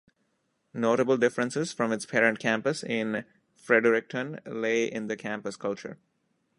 Notable differences from its parent campus in Fredericton lay in the campus culture.